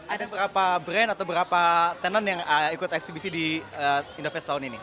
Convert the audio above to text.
ada berapa brand atau berapa tenan yang ikut eksibisi di indofest tahun ini